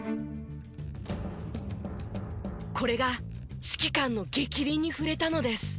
これが指揮官の逆鱗に触れたのです。